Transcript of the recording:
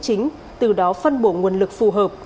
chính từ đó phân bổ nguồn lực phù hợp